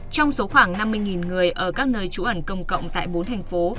trong số khoảng năm mươi người ở các nơi trú ẩn công cộng tại bốn thành phố